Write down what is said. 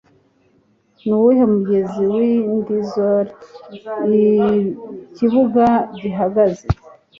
Nuwuhe mugezi Windsor Ikibuga gihagaze